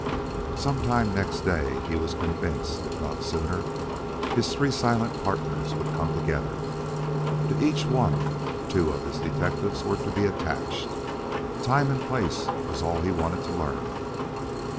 Some time next day, he was convinced, if not sooner, his three silent partners would come together. To each one two of his detectives were to be attached. Time and place was all he wanted to learn.